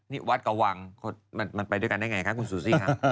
นี่วัดกะวังมันไปด้วยกันได้ไงคะคุณซูซี่ค่ะ